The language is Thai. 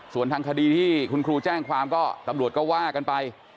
ส่วนทางคดีที่คุณครูแจ้งความก็ตำรวจก็ว่ากันไป